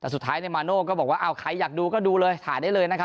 แต่สุดท้ายมาโน่ก็บอกว่าอ้าวใครอยากดูก็ดูเลยถ่ายได้เลยนะครับ